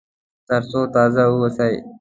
تر څو تازه واوسي.